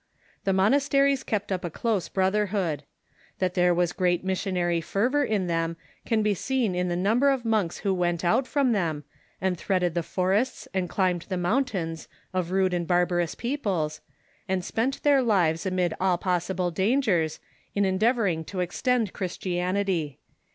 The monasteries kept up a close brotherhood. That there was great missionary fervor in them can be seen in the number of monks who went out from them, and threaded the forests and climbed the mountains of rude and barbarous peoples, and spent their lives amid all possible dangers, in endeavoring to extend Christianity.